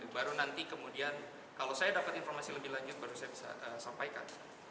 baru nanti kemudian kalau saya dapat informasi lebih lanjut baru saya bisa sampaikan